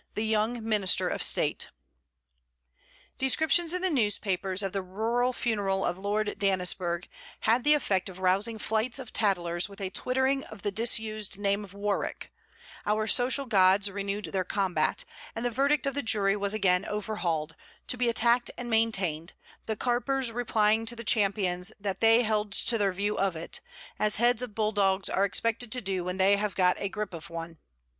'THE YOUNG MINISTER OF STATE' Descriptions in the newspapers of the rural funeral of Lord Dannisburgh had the effect of rousing flights of tattlers with a twittering of the disused name of Warwick; our social Gods renewed their combat, and the verdict of the jury was again overhauled, to be attacked and maintained, the carpers replying to the champions that they held to their view of it: as heads of bull dogs are expected to do when they have got a grip of one.